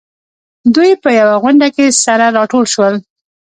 دوی په يوه غونډه کې سره راټول شول.